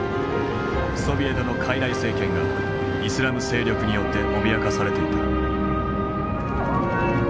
ソビエトの傀儡政権がイスラム勢力によって脅かされていた。